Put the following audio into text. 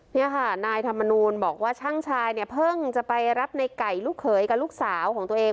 นี่ค่ะนายธรรมนูลบอกว่าช่างชายเนี่ยเพิ่งจะไปรับในไก่ลูกเขยกับลูกสาวของตัวเอง